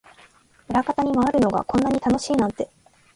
裏方に回るのがこんなに楽しいなんて